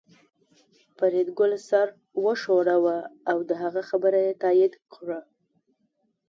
فریدګل سر وښوراوه او د هغه خبره یې تایید کړه